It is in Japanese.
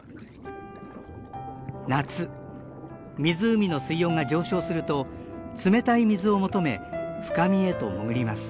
夏湖の水温が上昇すると冷たい水を求め深みへと潜ります。